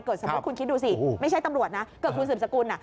สมมุติคุณคิดดูสิไม่ใช่ตำรวจนะเกิดคุณสืบสกุล